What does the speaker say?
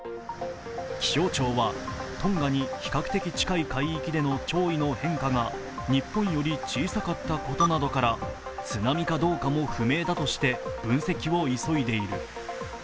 気象庁はトンガに比較的近い海域での潮位の変化が日本より小さかったことなどから津波かどうかも不明だとして分析を急いでいる。